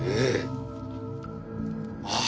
ああ